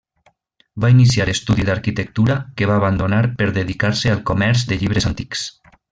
Va iniciar estudis d'arquitectura que va abandonar per dedicar-se al comerç de llibres antics.